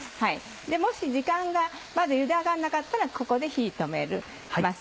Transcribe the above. もしまだゆで上がらなかったらここで火止めます。